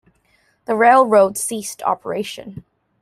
The railroad ceased operation.